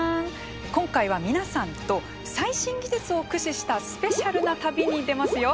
今回は皆さんと最新技術を駆使したスペシャルな旅に出ますよ。